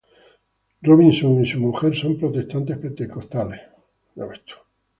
Robinson y su mujer son protestantes pentecostales.